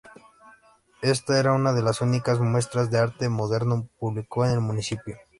Esta era una de las únicas muestras de arte moderno público en el municipio.